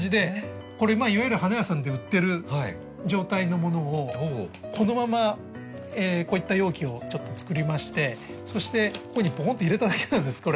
これいわゆる花屋さんで売ってる状態のものをこのままこういった容器をちょっと作りましてそしてここにぽこんと入れただけなんですこれ。